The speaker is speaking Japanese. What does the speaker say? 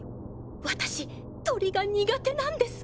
私鳥が苦手なんです。